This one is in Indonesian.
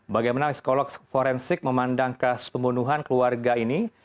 bagaimana psikolog forensik memandangkan pembunuhan keluarga ini